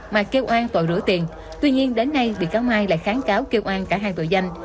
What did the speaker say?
mà kêu an tội rửa tiền tuy nhiên đến nay bị cáo mai lại kháng cáo kêu an cả hai tội danh